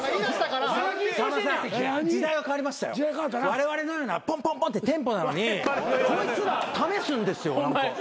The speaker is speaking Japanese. われわれのようなポンポンポンってテンポなのにこいつら試すんですよ。